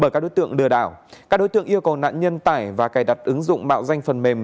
các đối tượng yêu cầu nạn nhân tải và cài đặt ứng dụng mạo danh phần mềm